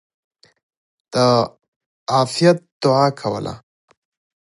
د عافيت دعاء کوله!!.